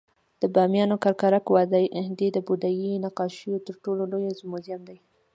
د بامیانو ککرک وادي د بودايي نقاشیو تر ټولو لوی موزیم دی